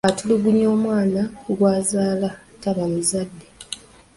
Atulugunya omwana gw’azaala taba muzadde.